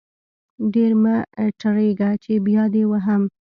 ډير مه ټرتيږه چې بيا دې وهم.